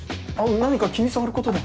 何か気に障ることでも。